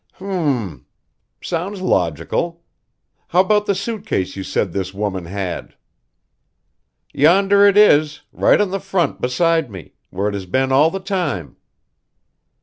"H m! Sounds logical. How about the suit case you said this woman had?" "Yonder it is right on the front beside me, where it has been all the time."